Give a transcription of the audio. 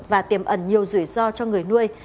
và tiềm ẩn nhiều rủi ro cho người nuôi